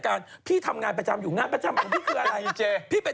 ใครอยากตามผมต้องไปตามในห้อง